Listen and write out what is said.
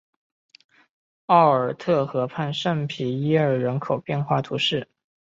奥尔特河畔圣皮耶尔人口变化图示